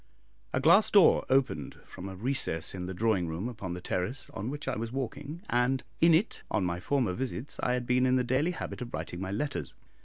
A glass door opened from a recess in the drawing room upon the terrace on which I was walking, and in it, on my former visits, I had been in the daily habit of writing my letters.